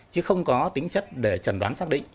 chứ không có tính chất để trần đoán xác định